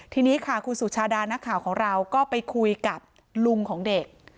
ทีนี้ค่ะคุณสุชาดานักข่าวของเราก็ไปคุยกับลุงของเด็ก